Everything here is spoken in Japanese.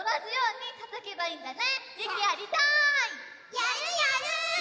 やるやる！